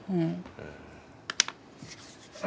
うん。